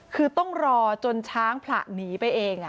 คือต้องรอจนช้างผละหนีไปเอง